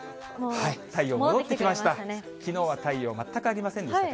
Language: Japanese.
太陽戻ってきました。